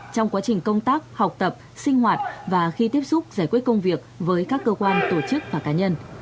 trong quá trình công tác học tập sinh hoạt và khi tiếp xúc giải quyết công việc với các cơ quan tổ chức và cá nhân